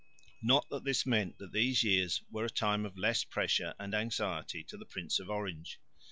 Not that this meant that these years were a time of less pressure and anxiety to the Prince of Orange.